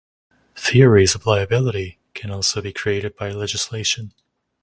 Theories of liability can also be created by legislation.